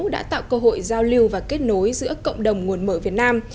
hai nghìn một mươi sáu đã tạo cơ hội giao lưu và kết nối giữa cộng đồng nguồn mở việt nam